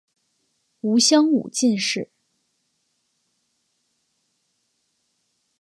吴襄武进士。